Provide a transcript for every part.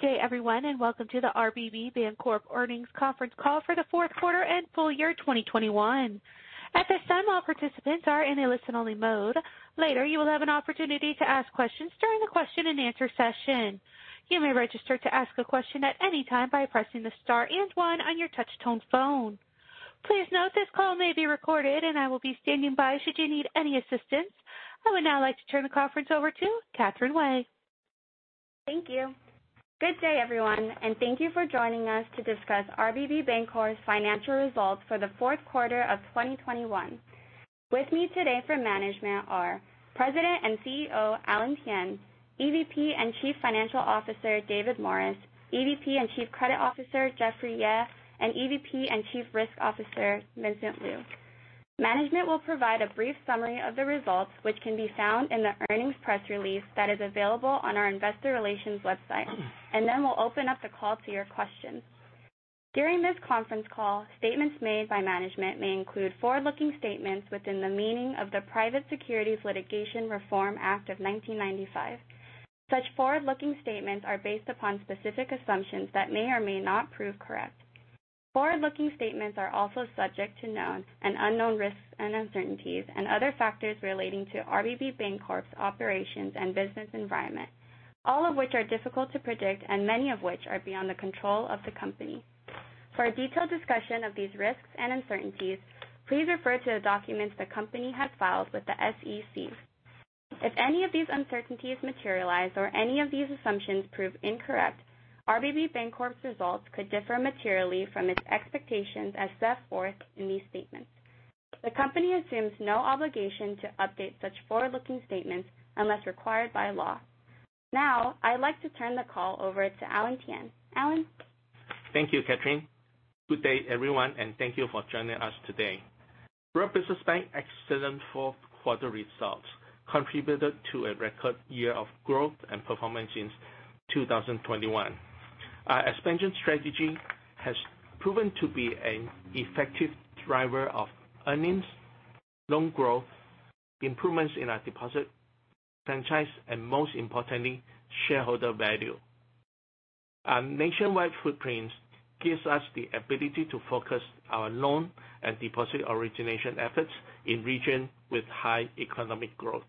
Good day everyone and welcome to the RBB Bancorp earnings conference call for the fourth quarter and full year 2021. At this time, all participants are in a listen-only mode. Later, you will have an opportunity to ask questions during the question and answer session. You may register to ask a question at any time by pressing the star and one on your touch-tone phone. Please note this call may be recorded and I will be standing by should you need any assistance. I would now like to turn the conference over to Catherine Wei. Thank you. Good day everyone, and thank you for joining us to discuss RBB Bancorp's financial results for the fourth quarter of 2021. With me today for management are President and CEO, Alan Thian, EVP and Chief Financial Officer, David Morris, EVP and Chief Credit Officer, Jeffrey Yeh, and EVP and Chief Risk Officer, Vincent Liu. Management will provide a brief summary of the results, which can be found in the earnings press release that is available on our investor relations website. We'll open up the call to your questions. During this conference call, statements made by management may include forward-looking statements within the meaning of the Private Securities Litigation Reform Act of 1995. Such forward-looking statements are based upon specific assumptions that may or may not prove correct. Forward-looking statements are also subject to known and unknown risks and uncertainties and other factors relating to RBB Bancorp's operations and business environment, all of which are difficult to predict and many of which are beyond the control of the company. For a detailed discussion of these risks and uncertainties, please refer to the documents the company has filed with the SEC. If any of these uncertainties materialize or any of these assumptions prove incorrect, RBB Bancorp's results could differ materially from its expectations as set forth in these statements. The company assumes no obligation to update such forward-looking statements unless required by law. Now, I'd like to turn the call over to Alan Thian. Alan. Thank you, Catherine. Good day everyone, and thank you for joining us today. Royal Business Bank excellent fourth quarter results contributed to a record year of growth and performance in 2021. Our expansion strategy has proven to be an effective driver of earnings, loan growth, improvements in our deposit franchise, and most importantly, shareholder value. Our nationwide footprint gives us the ability to focus our loan and deposit origination efforts in regions with high economic growth.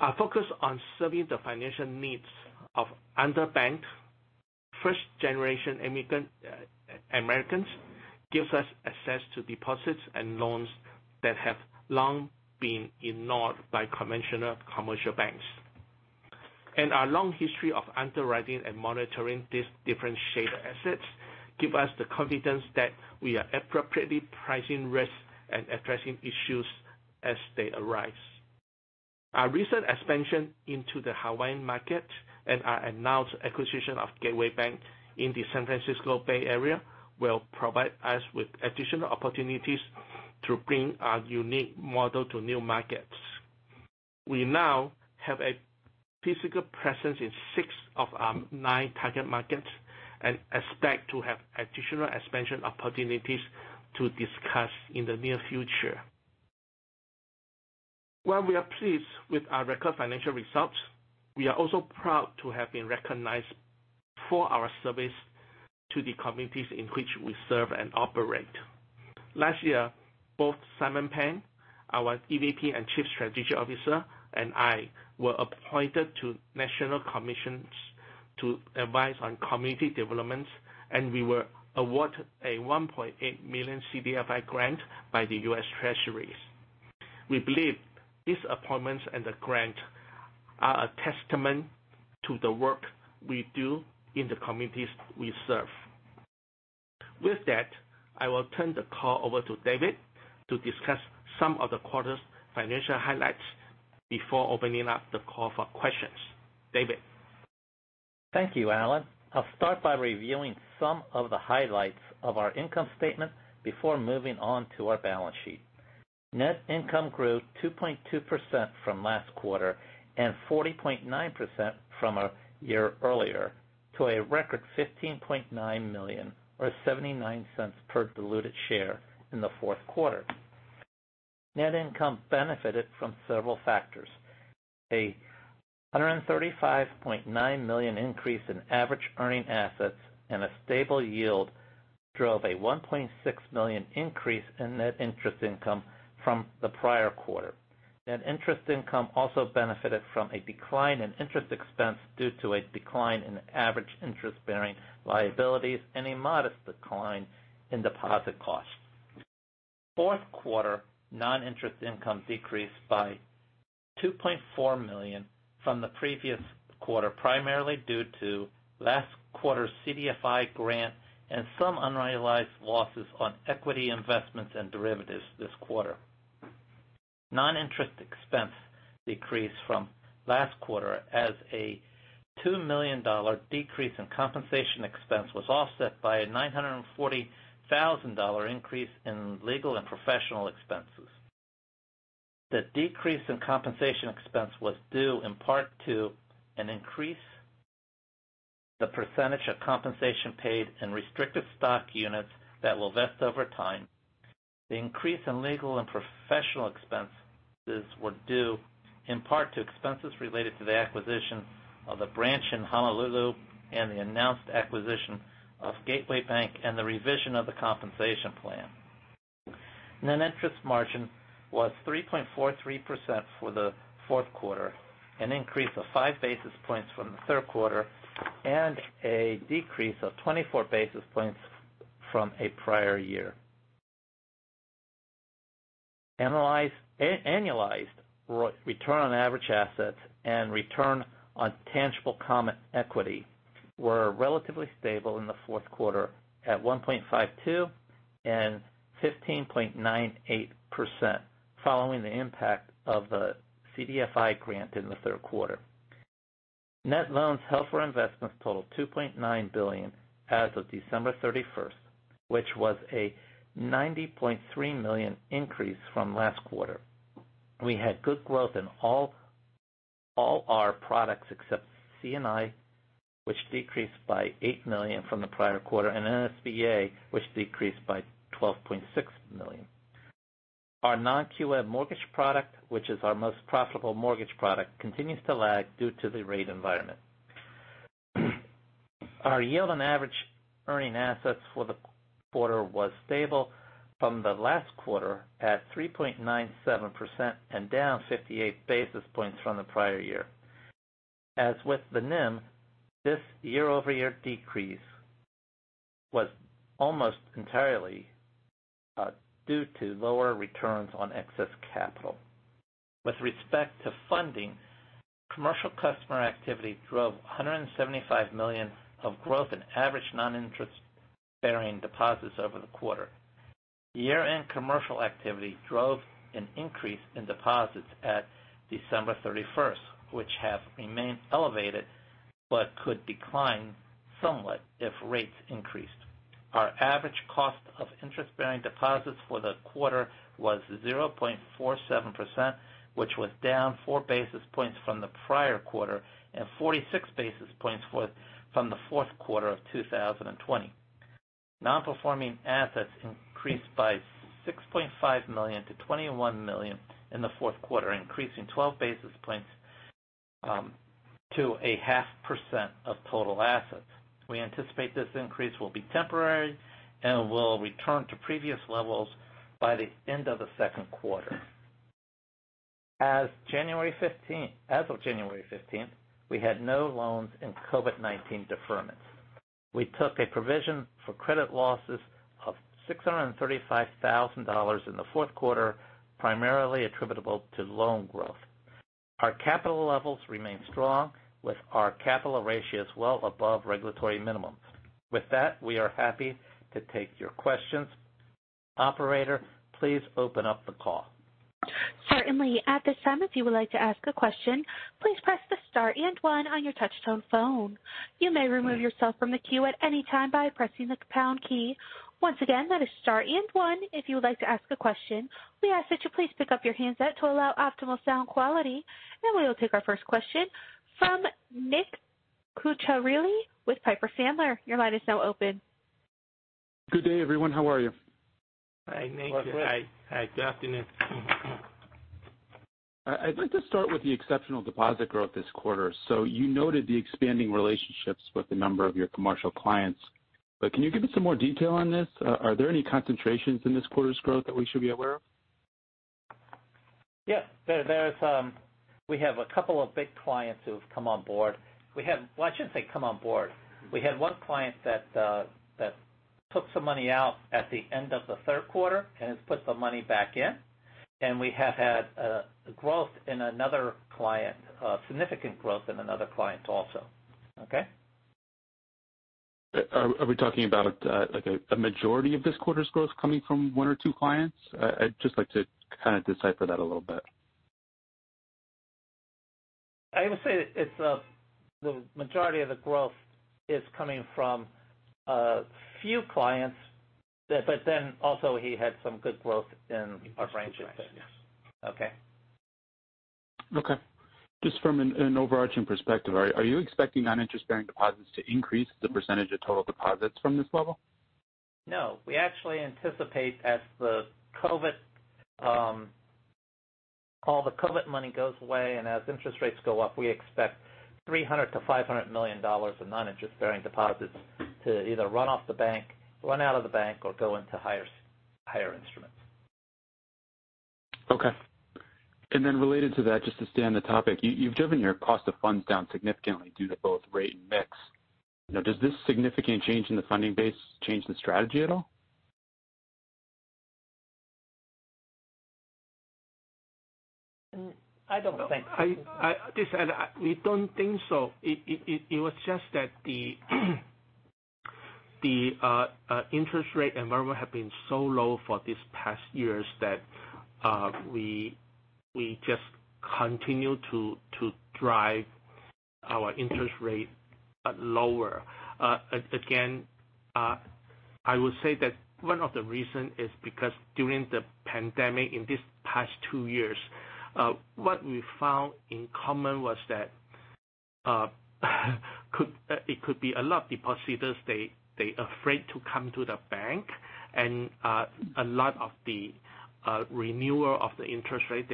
Our focus on serving the financial needs of underbanked first-generation immigrant Americans gives us access to deposits and loans that have long been ignored by conventional commercial banks. Our long history of underwriting and monitoring these differentiated assets give us the confidence that we are appropriately pricing risks and addressing issues as they arise. Our recent expansion into the Hawaiian market and our announced acquisition of Gateway Bank in the San Francisco Bay Area will provide us with additional opportunities to bring our unique model to new markets. We now have a physical presence in six of our nine target markets and expect to have additional expansion opportunities to discuss in the near future. While we are pleased with our record financial results, we are also proud to have been recognized for our service to the communities in which we serve and operate. Last year, both Simon Pang, our EVP and Chief Strategy Officer, and I were appointed to national commissions to advise on community development, and we were awarded a $1.8 million CDFI grant by the U.S. Treasury. We believe these appointments and the grant are a testament to the work we do in the communities we serve. With that, I will turn the call over to David to discuss some of the quarter's financial highlights before opening up the call for questions. David. Thank you, Alan Thian. I'll start by reviewing some of the highlights of our income statement before moving on to our balance sheet. Net income grew 2.2% from last quarter and 40.9% from a year earlier to a record $15.9 million or $0.79 per diluted share in the fourth quarter. Net income benefited from several factors. A $135.9 million increase in average earning assets and a stable yield drove a $1.6 million increase in net interest income from the prior quarter. Net interest income also benefited from a decline in interest expense due to a decline in average interest-bearing liabilities and a modest decline in deposit costs. Fourth quarter non-interest income decreased by $2.4 million from the previous quarter, primarily due to last quarter's CDFI grant and some unrealized losses on equity investments and derivatives this quarter. Non-interest expense decreased from last quarter as a $2 million decrease in compensation expense was offset by a $940,000 increase in legal and professional expenses. The decrease in compensation expense was due in part to an increase in the percentage of compensation paid in restricted stock units that will vest over time. The increase in legal and professional expenses were due in part to expenses related to the acquisition of the branch in Honolulu and the announced acquisition of Gateway Bank and the revision of the compensation plan. Net interest margin was 3.43% for the fourth quarter, an increase of 5 basis points from the third quarter and a decrease of 24 basis points from a prior year. Annualized return on average assets and return on tangible common equity were relatively stable in the fourth quarter at 1.52% and 15.98% following the impact of the CDFI grant in the third quarter. Net loans held for investment totaled $2.9 billion as of December 31st, which was a $90.3 million increase from last quarter. We had good growth in all our products, except C&I, which decreased by $8 million from the prior quarter, and SBA, which decreased by $12.6 million. Our non-QM mortgage product, which is our most profitable mortgage product, continues to lag due to the rate environment. Our yield on average earning assets for the quarter was stable from the last quarter at 3.97% and down 58 basis points from the prior year. As with the NIM, this year-over-year decrease was almost entirely due to lower returns on excess capital. With respect to funding, commercial customer activity drove $175 million of growth in average non-interest-bearing deposits over the quarter. Year-end commercial activity drove an increase in deposits at December 31st, which have remained elevated but could decline somewhat if rates increased. Our average cost of interest-bearing deposits for the quarter was 0.47%, which was down 4 basis points from the prior quarter and 46 basis points from the fourth quarter of 2020. Non-performing assets increased by $6.5 million to $21 million in the fourth quarter, increasing 12 basis points to 0.5% of total assets. We anticipate this increase will be temporary and will return to previous levels by the end of the second quarter. As of January 15th, we had no loans in COVID-19 deferments. We took a provision for credit losses of $635,000 in the fourth quarter, primarily attributable to loan growth. Our capital levels remain strong with our capital ratios well above regulatory minimums. With that, we are happy to take your questions. Operator, please open up the call. Certainly. At this time, if you would like to ask a question, please press the star and one on your touch-tone phone. You may remove yourself from the queue at any time by pressing the pound key. Once again, that is star and one if you would like to ask a question. We ask that you please pick up your handset to allow optimal sound quality, and we will take our first question from Nick Cucharale with Piper Sandler. Your line is now open. Good day, everyone. How are you? Hi, Nick. We're great. Hi. Hi, good afternoon. I'd like to start with the exceptional deposit growth this quarter. You noted the expanding relationships with a number of your commercial clients, but can you give us some more detail on this? Are there any concentrations in this quarter's growth that we should be aware of? Yes. There is. We have a couple of big clients who have come on board. Well, I shouldn't say come on board. We had one client that took some money out at the end of the third quarter and has put the money back in, and we have had growth in another client, significant growth in another client also. Okay? Are we talking about like a majority of this quarter's growth coming from one or two clients? I'd just like to kinda decipher that a little bit. I would say it's the majority of the growth is coming from a few clients but then also he had some good growth in our branches. Okay. Okay. Just from an overarching perspective, are you expecting non-interest-bearing deposits to increase the percentage of total deposits from this level? No. We actually anticipate as the COVID all the COVID money goes away and as interest rates go up, we expect $300 million-$500 million of non-interest-bearing deposits to either run off the bank, run out of the bank, or go into higher instruments. Okay. Related to that, just to stay on the topic, you've driven your cost of funds down significantly due to both rate and mix. Now, does this significant change in the funding base change the strategy at all? I don't think so. We don't think so. It was just that the interest rate environment had been so low for these past years that we just continue to drive our interest rate lower. I would say that one of the reason is because during the pandemic in this past two years, what we found in common was that it could be a lot of depositors, they afraid to come to the bank. A lot of the renewal of the interest rate,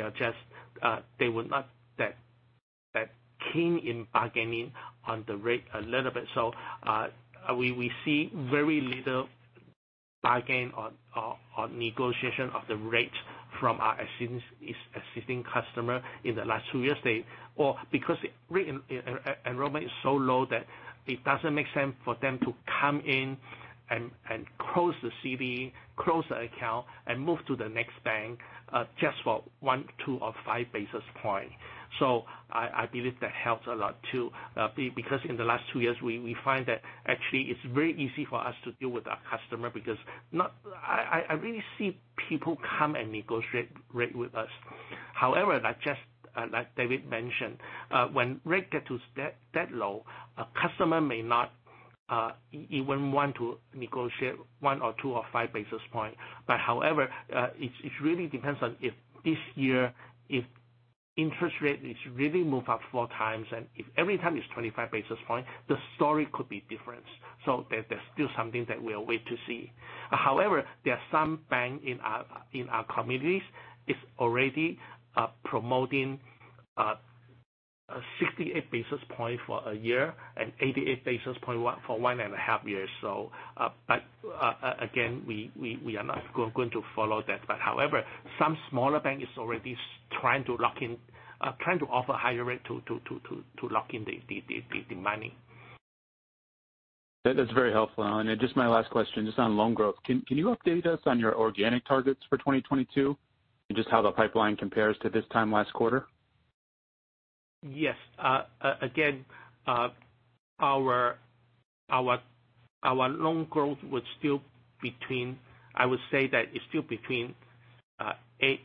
they were not that keen in bargaining on the rate a little bit. We see very little bargain on negotiation of the rate from our existing customer in the last two years. They. Because reenrollment is so low that it doesn't make sense for them to come in and close the CD, close the account, and move to the next bank just for one, two, or five basis points. I believe that helps a lot too. Because in the last two years we find that actually it's very easy for us to deal with our customer. I really see people come and negotiate rate with us. However, like just, like David mentioned, when rate get to that low, a customer may not even want to negotiate one or two or five basis points. However, it really depends on if this year, if interest rate is really move up four times and if every time it's 25 basis points, the story could be different. That there's still something that we'll wait to see. However, there are some bank in our communities is already promoting a 68 basis point for a year and 88 basis point for 1.5 years. Again, we are not going to follow that. However, some smaller bank is already trying to lock in, trying to offer higher rate to lock in the money. That is very helpful. Just my last question, just on loan growth. Can you update us on your organic targets for 2022 and just how the pipeline compares to this time last quarter? Yes. Again, our loan growth was still between, I would say that it's still between 8%-10%.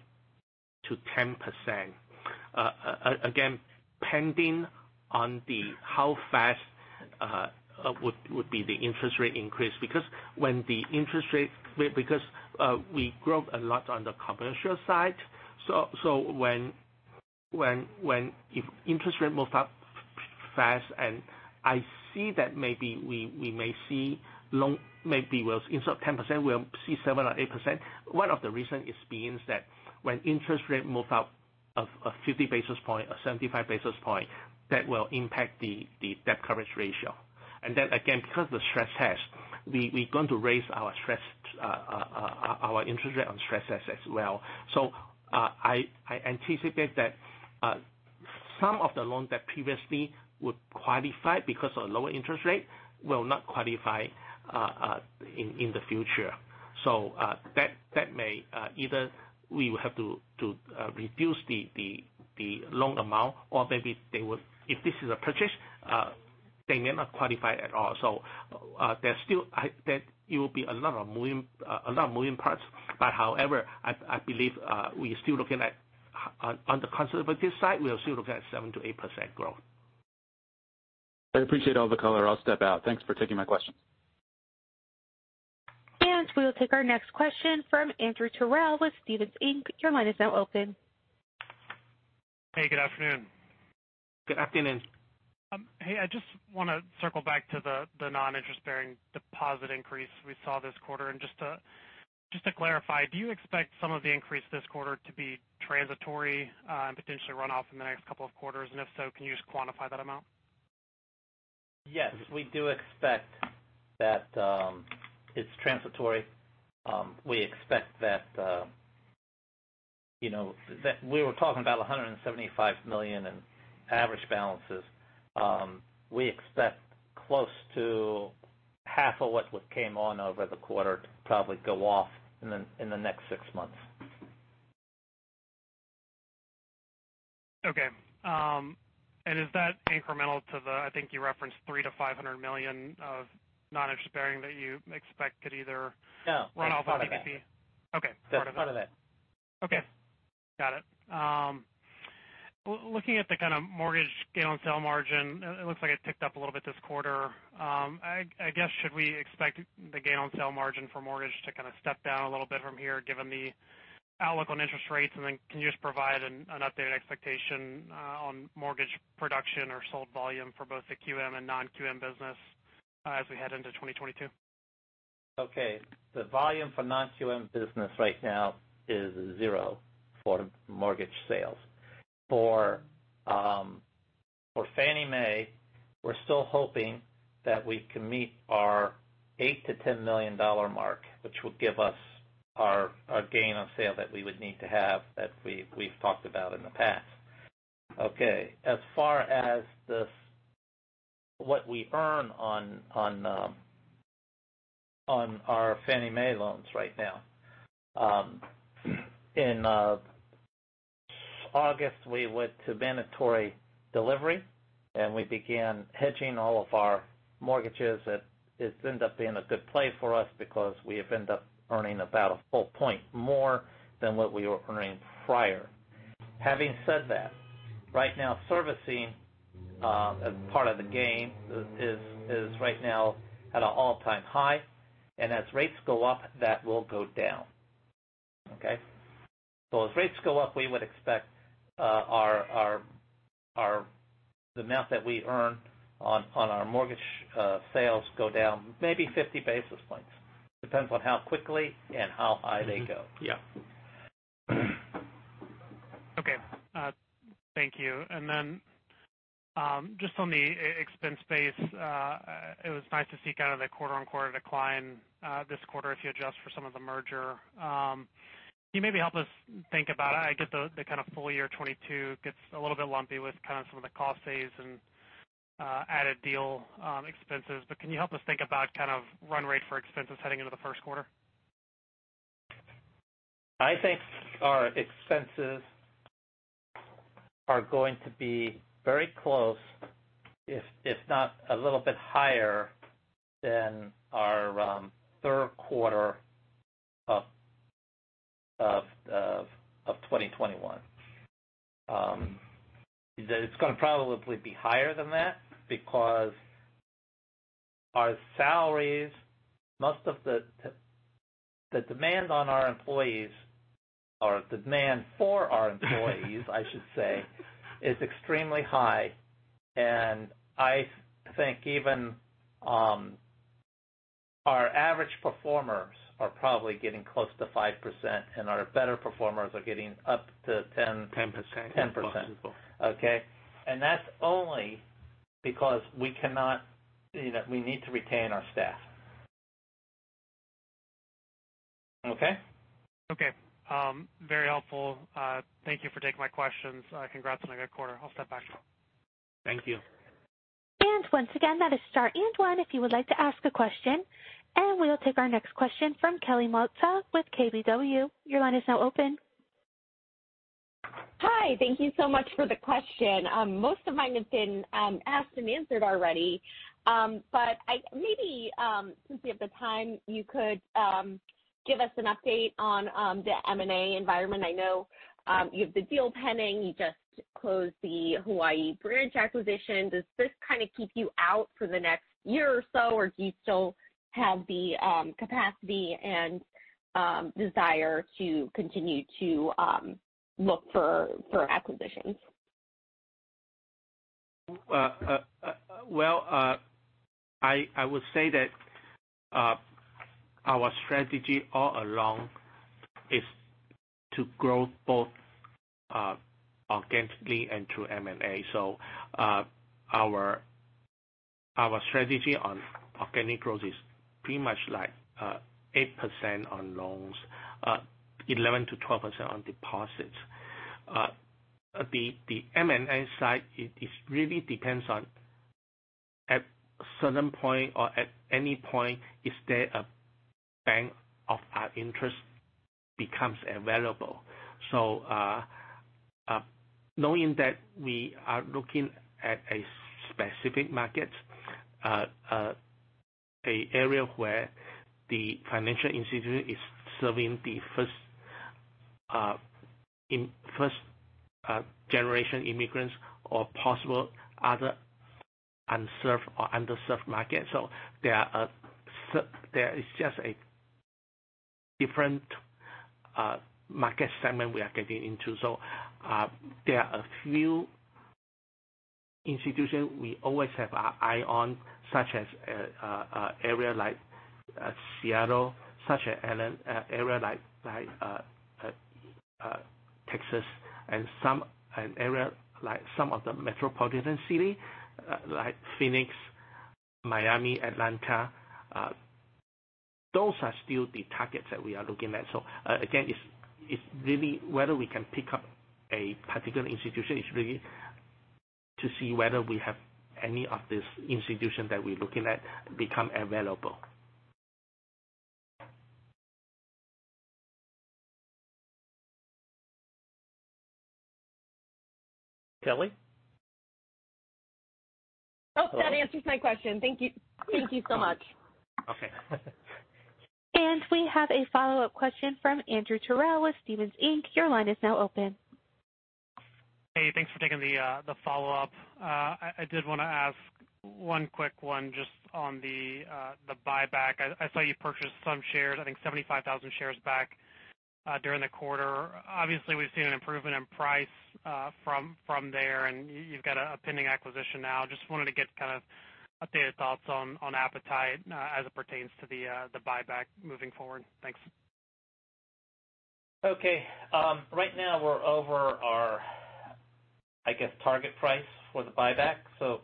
Again, depending on how fast would be the interest rate increase. Because when the interest rate because we grow a lot on the commercial side. So when if interest rate moves up fast and I see that maybe we may see loan maybe was instead of 10%, we'll see 7% or 8%. One of the reason is being that when interest rate move up a 50 basis point or 75 basis point, that will impact the debt coverage ratio. And that, again, because the stress test, we're going to raise our interest rate on stress test as well. I anticipate that some of the loans that previously would qualify because of lower interest rate will not qualify in the future. That may either we will have to reduce the loan amount or maybe they will. If this is a purchase, they may not qualify at all. There's still that it will be another moving parts. However, I believe we are still looking at on the conservative side, we are still looking at 7%-8% growth. I appreciate all the color. I'll step out. Thanks for taking my question. We will take our next question from Andrew Terrell with Stephens Inc. Your line is now open. Hey, good afternoon. Good afternoon. Hey, I just wanna circle back to the non-interest bearing deposit increase we saw this quarter. Just to clarify, do you expect some of the increase this quarter to be transitory and potentially run off in the next couple of quarters? If so, can you just quantify that amount? Yes. We do expect that, it's transitory. We expect that, you know, that we were talking about $175 million in average balances. We expect close to half of what came on over the quarter to probably go off in the next six months. Okay. Is that incremental to the, I think you referenced $300 million-$500 million of non-interest-bearing that you expect could either- No. run off or be paid? That's part of it. Okay. Part of it. That's part of it. Okay. Got it. Looking at the kind of mortgage gain on sale margin, it looks like it ticked up a little bit this quarter. I guess should we expect the gain on sale margin for mortgage to kind of step down a little bit from here, given the outlook on interest rates? Can you just provide an updated expectation on mortgage production or sold volume for both the QM and non-QM business as we head into 2022? Okay. The volume for non-QM business right now is zero for mortgage sales. For Fannie Mae, we're still hoping that we can meet our $8 million-$10 million mark, which will give us our gain on sale that we would need to have that we've talked about in the past. Okay. As far as what we earn on our Fannie Mae loans right now, in August we went to mandatory delivery, and we began hedging all of our mortgages. It's ended up being a good play for us because we've ended up earning about a full point more than what we were earning prior. Having said that, right now servicing as part of the gain is right now at an all-time high. As rates go up, that will go down. As rates go up, we would expect the amount that we earn on our mortgage sales go down maybe 50 basis points. Depends on how quickly and how high they go. Okay. Thank you. Just on the expense base, it was nice to see kind of the quarter-on-quarter decline, this quarter, if you adjust for some of the merger. Can you maybe help us think about it? I get the kind of full year 2022 gets a little bit lumpy with kind of some of the cost saves and added deal expenses. Can you help us think about kind of run rate for expenses heading into the first quarter? I think our expenses are going to be very close, if not a little bit higher than our third quarter of 2021. It's gonna probably be higher than that because our salaries, most of the demand on our employees or demand for our employees I should say, is extremely high. I think even our average performers are probably getting close to 5%, and our better performers are getting up to 10- 10%. 10%. Okay. That's only because we cannot, you know, we need to retain our staff. Okay. Okay. Very helpful. Thank you for taking my questions. Congrats on a good quarter. I'll step back. Thank you. Once again, that is star and one if you would like to ask a question. We will take our next question from Kelly Motta with KBW. Your line is now open. Hi. Thank you so much for the question. Most of mine have been asked and answered already. Maybe, since we have the time, you could give us an update on the M&A environment. I know you have the deal pending. You just closed the Hawaii branch acquisition. Does this kind of keep you out for the next year or so, or do you still have the capacity and desire to continue to look for acquisitions? I would say that our strategy all along is to grow both organically and through M&A. Our strategy on organic growth is pretty much like 8% on loans, 11%-12% on deposits. The M&A side really depends on at a certain point or at any point if there is a bank of our interest that becomes available. Knowing that we are looking at a specific market, an area where the financial institution is serving the first-generation immigrants or possible other unserved or underserved market. There is just a different market segment we are getting into. There are a few institutions we always have our eye on, such as an area like Seattle, an area like Texas and an area like some of the metropolitan city like Phoenix, Miami, Atlanta. Those are still the targets that we are looking at. Again, it's really whether we can pick up a particular institution to see whether we have any of these institutions that we're looking at become available. Kelly? Oh, that answers my question. Thank you. Thank you so much. Okay. We have a follow-up question from Andrew Terrell with Stephens Inc. Your line is now open. Hey, thanks for taking the follow-up. I did wanna ask one quick one just on the buyback. I saw you purchased some shares, I think 75,000 shares back during the quarter. Obviously, we've seen an improvement in price from there, and you've got a pending acquisition now. Just wanted to get kind of updated thoughts on appetite as it pertains to the buyback moving forward. Thanks. Okay. Right now we're over our, I guess, target price for the buyback, so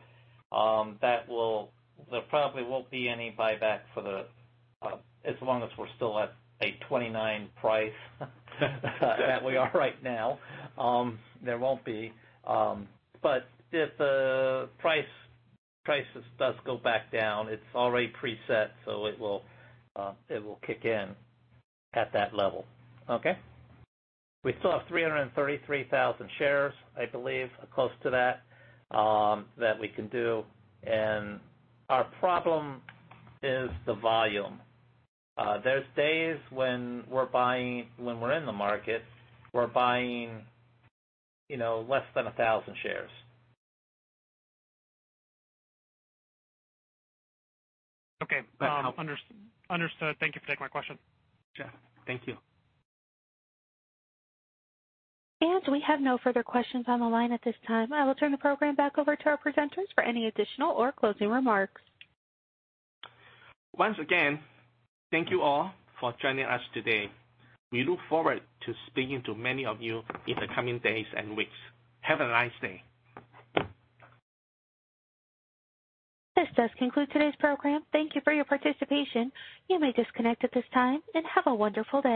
that will—there probably won't be any buyback for the, as long as we're still at a $29 price that we are right now, there won't be. But if the price does go back down, it's already preset, so it will, it will kick in at that level. Okay? We still have 333,000 shares, I believe, close to that we can do. Our problem is the volume. There's days when we're buying—When we're in the market, we're buying, you know, less than 1,000 shares. Okay. Understood. Thank you for taking my question. Yeah. Thank you. We have no further questions on the line at this time. I will turn the program back over to our presenters for any additional or closing remarks. Once again, thank you all for joining us today. We look forward to speaking to many of you in the coming days and weeks. Have a nice day. This does conclude today's program. Thank you for your participation. You may disconnect at this time, and have a wonderful day.